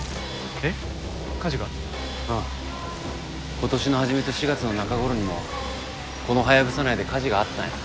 今年の初めと４月の中頃にもこのハヤブサ内で火事があったんや。